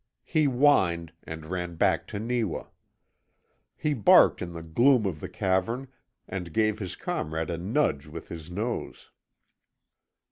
He whined, and ran back to Neewa. He barked in the gloom of the cavern and gave his comrade a nudge with his nose.